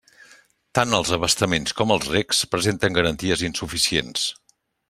Tant els abastaments com els regs presenten garanties insuficients.